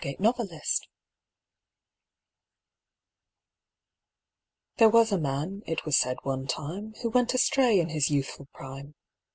TWO SINNERS There was a man, it was said one time, Who went astray in his youthful prime.